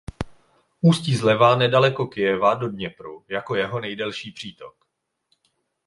Ústí zleva nedaleko Kyjeva do Dněpru jako jeho nejdelší přítok.